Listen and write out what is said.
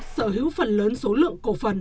sở hữu phần lớn số lượng cổ phần